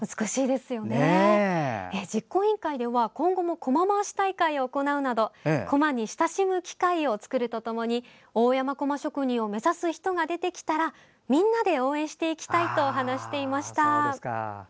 実行委員会では、今後もこま回し大会を行うなどこまに親しむ機会を作るとともに大山こま職人を目指す人が出てきたらみんなで応援していきたいと話していました。